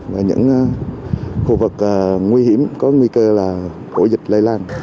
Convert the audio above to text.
và những khu vực nguy hiểm có nguy cơ là